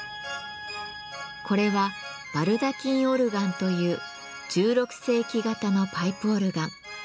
これは「バルダキンオルガン」という１６世紀型のパイプオルガン。